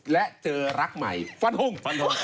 และเจอรักใหม่ฟันฮุ่ง